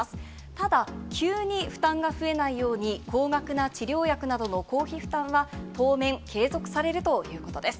ただ、急に負担が増えないように、高額な治療薬などの公費負担は、当面継続されるということです。